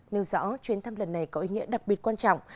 nêu rõ chuyến thăm lần này có ý nghĩa đặc biệt quan trọng